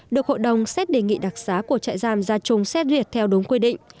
được hội đồng xét đề nghị đặc xá của trại giam gia trung xét duyệt theo đúng quy định